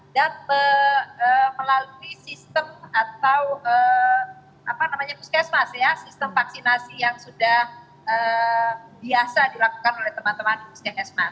dan melalui sistem atau apa namanya puskesmas ya sistem vaksinasi yang sudah biasa dilakukan oleh teman teman di puskesmas